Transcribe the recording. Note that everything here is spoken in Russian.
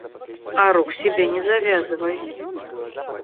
А рук себе не завязывай.